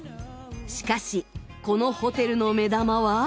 しかしこのホテルの目玉は。